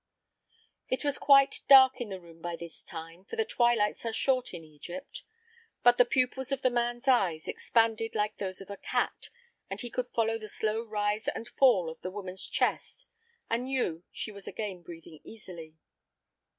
It was quite dark in the room by this time, for twilights are short in Egypt. But the pupils of the man's eyes expanded like those of a cat, and he could follow the slow rise and fall of the woman's chest and knew she was again breathing easily.